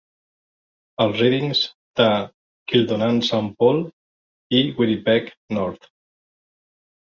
Els ridings de Kildonan-St. Paul i Winnipeg North.